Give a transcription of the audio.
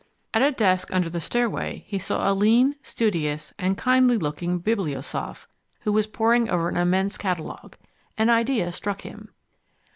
At a desk under the stairway he saw a lean, studious, and kindly looking bibliosoph, who was poring over an immense catalogue. An idea struck him.